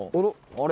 あれ？